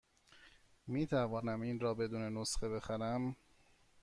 می توانم این را بدون نسخه بخرم؟